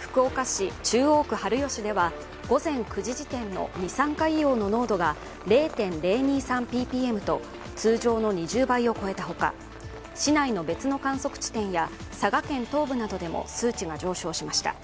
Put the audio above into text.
福岡市中央区春吉では午前９時時点の二酸化硫黄の濃度が０．０２３ｐｐｍと通常の２０倍を超えたほか市内の別の観測地点や佐賀県東部などでも数値が上昇しました。